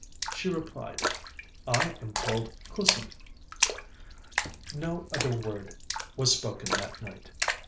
She replied: 'I am called Kusum.' No other word was spoken that night.